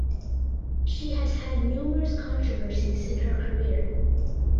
She has had numerous controversies in her career.